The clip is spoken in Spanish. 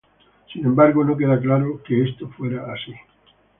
Sin embargo, no queda claro que esto fuera así.